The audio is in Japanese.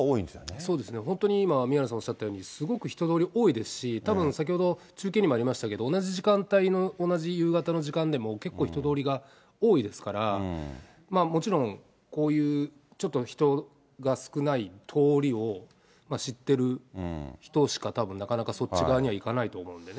そうですね、本当に今、宮根さんおっしゃったように、すごく人通り多いですし、たぶん先ほど中継にもありましたけど、同じ時間帯の同じ夕方の時間でも、結構、人通りが多いですから、もちろんこういうちょっと人が少ない通りを知ってる人しかたぶん、なかなかそっち側には行かないと思うんでね。